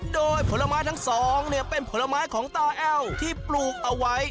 โดยผลไม้ทั้งสองเป็นผลไม้ของตาแอ้วที่ปลูกเอาไว้